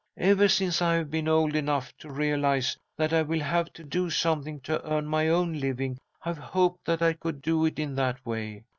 Ever since I have been old enough to realize that I will have to do something to earn my own living, I've hoped that I could do it in that way.